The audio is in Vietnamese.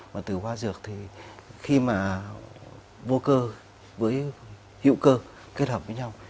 mà từ hóa dược thì khi mà vô cơ với hữu cơ kết hợp với nhau